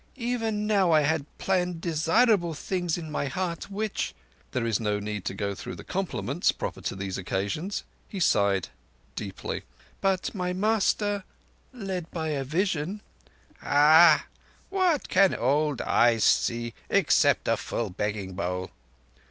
"Even now I had planned desirable things in my heart which"—there is no need to go through the compliments proper to these occasions. He sighed deeply ... "But my master, led by a vision—" "Huh! What can old eyes see except a full begging bowl?"